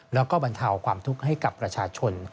แล้วก็บรรเทาความทุกข์ให้กับประชาชน